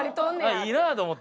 いいなと思ってな。